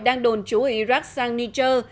đang đồn trú ở iraq sang niger